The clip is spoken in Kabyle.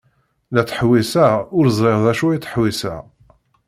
La ttḥewwiseɣ ur ẓriɣ d acu i ttḥewwiseɣ.